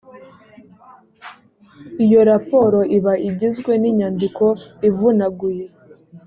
iyo raporo iba igizwe n inyandiko ivunaguye